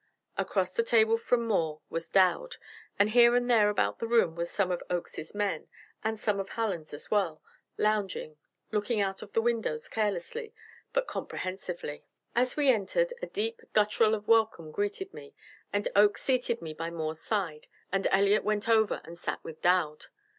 Across the table from Moore was Dowd, and here and there about the room were some of Oakes's men, and some of Hallen's as well, lounging, looking out of the windows carelessly, but comprehensively. As we entered, a deep guttural of welcome greeted me; and Oakes seated me by Moore's side, and Elliott went over and sat with Dowd.